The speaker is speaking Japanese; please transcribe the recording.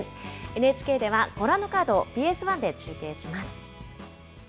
ＮＨＫではご覧のカードをＢＳ１で中継します。